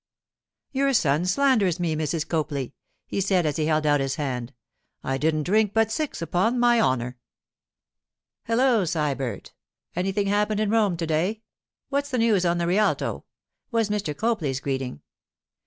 'Your son slanders me, Mrs. Copley,' he said as he held out his hand; 'I didn't drink but six, upon my honour.' 'Hello, Sybert! Anything happened in Rome to day? What's the news on the Rialto?' was Mr. Copley's greeting.